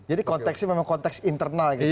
jadi konteksnya memang konteks internal gitu